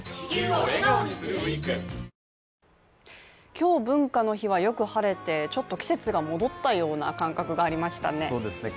今日、文化の日はよく晴れてちょっと季節が戻ったような感覚がありましたね。